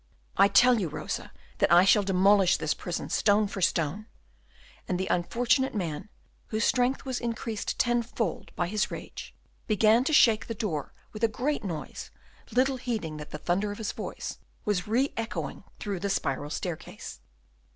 "I tell you, Rosa, that I shall demolish this prison, stone for stone!" and the unfortunate man, whose strength was increased tenfold by his rage, began to shake the door with a great noise, little heeding that the thunder of his voice was re echoing through the spiral staircase.